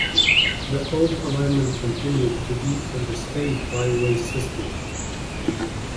The old alignment continued to be in the state highway system.